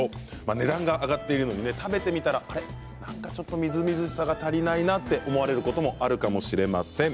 値段が上がっているのに食べてみたらみずみずしさが足りないなと思われることもあるかもしれません。